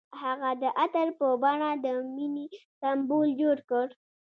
هغه د عطر په بڼه د مینې سمبول جوړ کړ.